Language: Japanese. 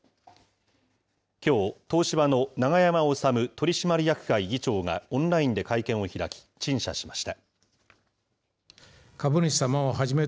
きょう、東芝の永山治取締役会議長がオンラインで会見を開き、陳謝しました。